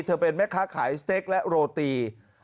เป็นแม่ค้าขายสเต็กและโรตี